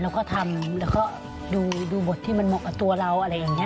เราก็ทำแล้วก็ดูบทที่มันเหมาะกับตัวเราอะไรอย่างนี้